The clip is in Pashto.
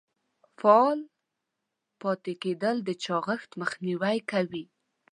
فعال پاتې کیدل د چاغښت مخنیوی کوي.